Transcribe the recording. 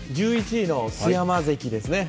１１位の須山関ですね。